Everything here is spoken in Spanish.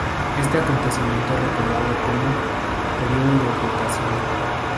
Este acontecimiento es recordado como "Periodo de Ocultación".